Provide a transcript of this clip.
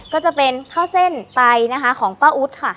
ก็จะเป็นข้าวเส้นไตนะคะของป้าอุ๊ดค่ะ